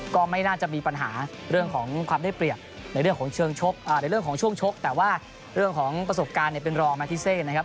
ก็ไม่น่าจะมีปัญหาเรื่องของความได้เปรียบในเรื่องของเชิงชกในเรื่องของช่วงชกแต่ว่าเรื่องของประสบการณ์เนี่ยเป็นรองแมทิเซนะครับ